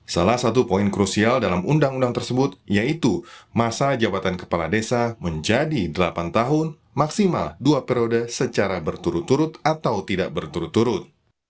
salah satu poin krusial dalam undang undang tersebut yaitu masa jabatan kepala desa menjadi delapan tahun maksimal dua periode secara berturut turut atau tidak berturut turut